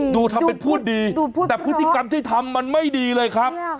ดูทำเป็นพูดดีแต่พฤติกรรมที่ทำมันไม่ดีเลยครับ